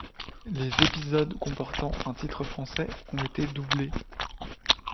Les épisodes comportant un titre français ont été doublés.